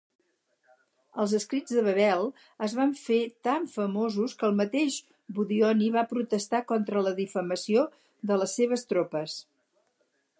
Els escrits de Babel es van fer tan famosos que el mateix Budionny va protestar contra la "difamació" de les seves tropes.